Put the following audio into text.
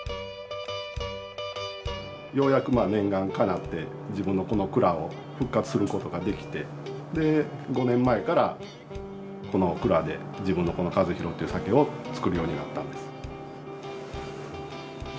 ようやくまあ念願かなって自分のこの蔵を復活することができてで５年前からこの蔵で自分のこの一博っていう酒を造るようになったんです。